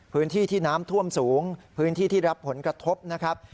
พื้นที่ที่น้ำท่วมสูงพื้นที่ที่รับผลกระทบนะครับ